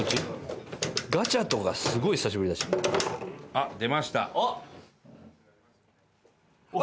あっ出ました。